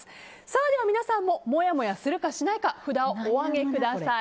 では皆さんももやもやするかしないか札をお上げください。